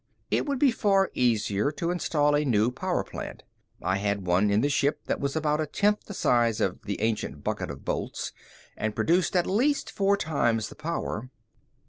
It would be far easier to install a new power plant. I had one in the ship that was about a tenth the size of the ancient bucket of bolts and produced at least four times the power.